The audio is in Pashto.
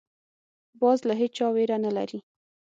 باز له هېچا ویره نه لري